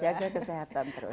jaga kesehatan terus